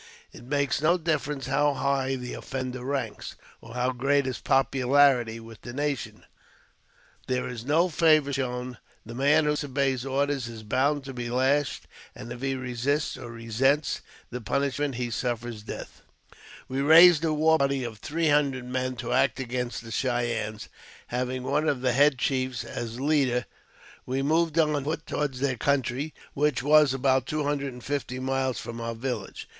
It makes difference how high the offender ranks, or how great his po larity with the nation — there is no favour shown ; the m who disobeys orders is bound to be lashed, and if he resists resents the punishment, he suffers death. We raised a war party of three hundred men to act again the Cheyennes, having one of the head chiefs as leader. We j moved on foot toward their country, which was about two hundred and fifty miles from our village.